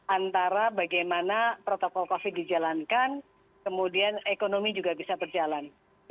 antara bagaimana protokol covid dijalankan kemudian ekonomi juga bisa berjalan